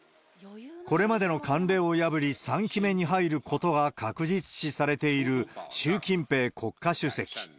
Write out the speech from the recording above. これまでの慣例を破り、３期目に入ることが確実視されている習近平国家主席。